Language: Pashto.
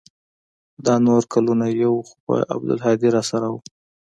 دا نور کلونه يو خو به عبدالهادي راسره و.